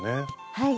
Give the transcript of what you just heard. はい。